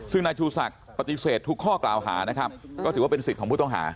ซึ่งนายชูศักดิ์ปฏิเสธทุกข้อกล่าวหานะครับก็ถือว่าเป็นสิทธิ์ของผู้ต้องหา